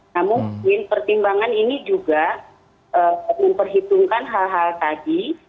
namun pertimbangan ini juga memperhitungkan hal hal tadi